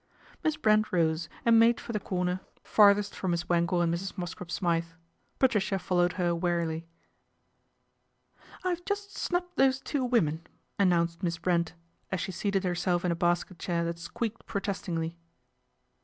Miss Brent rose and made for the corner 242 PATRICIA BRENT, SPINSTER farthest from Miss Wangle and Mrs. Mosscrop Smythe. Patricia followed her wearily. " I've just snubbed those two women/' an nounced Miss Brent, as she seated herself in a basket chair that squeaked protestingly.